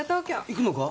行くのか？